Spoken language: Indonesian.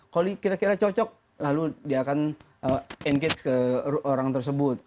kalau kira kira cocok lalu dia akan engage ke orang tersebut